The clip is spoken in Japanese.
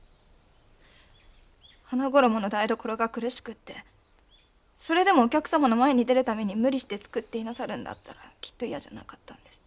「花ごろも」の台所が苦しくってそれでもお客様の前に出るために無理して作っていなさるんだったらきっと嫌じゃなかったんです。